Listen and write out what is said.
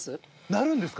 鳴るんですか？